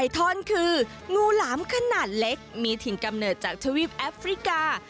ท่อนคืองูหลามขนาดเล็กมีถิ่นกำเนิดจากทวีปแอฟริกา